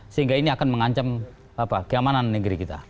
sehingga ini akan mengancam keamanan negeri kita